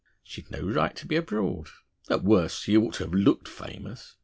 She had no right to be abroad. At worst, she ought to have looked famous.